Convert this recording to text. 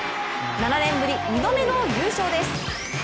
７年ぶり２度目の優勝です。